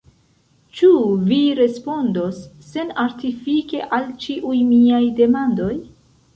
Ĉu vi respondos senartifike al ĉiuj miaj demandoj?